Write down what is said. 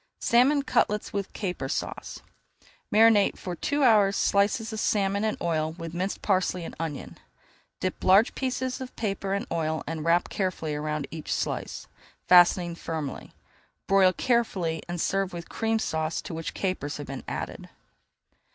SALMON CUTLETS WITH CAPER SAUCE Marinate for two hours slices of salmon in oil with minced parsley and onion. Dip large pieces of paper in oil and wrap carefully around each slice, fastening firmly. Broil carefully and serve with a Cream Sauce to which capers have been added.